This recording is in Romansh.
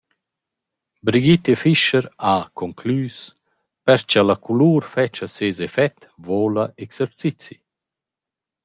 Brigitte Fischer ha conclüs: «Per cha la culur fetscha seis effet voula exercizi.